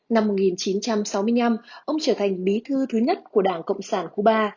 năm một nghìn chín trăm sáu mươi năm ông trở thành bí thư thứ nhất của đảng cộng sản cuba